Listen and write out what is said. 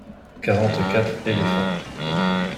Quarante-quatre éléphants.